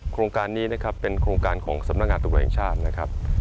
โครงการนี้นะครับเป็นโครงการของสำนักงานตำรวจแห่งชาตินะครับ